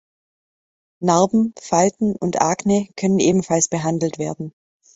Narben, Falten und Akne können ebenfalls behandelt werden.